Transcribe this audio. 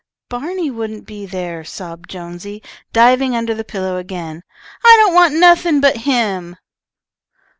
"Barney wouldn't be there," sobbed Jonesy, diving under the pillow again. "I don't want nothing but him."